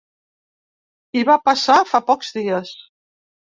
I va passar fa pocs dies.